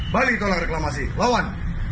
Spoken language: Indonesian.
bali tolak reklamasi lawan